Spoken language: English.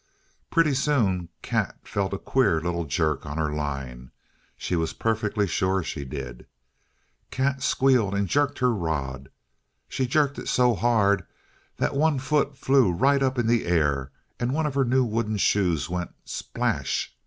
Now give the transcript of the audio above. Pretty soon Kat felt a queer little jerk on her line. She was perfectly sure she did. Kat squealed and jerked her rod. She jerked it so hard that one foot flew right up in the air, and one of her new wooden shoes went splash!